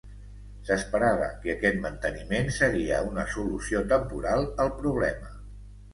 S'esperava que aquest manteniment seria una solució temporal al problema.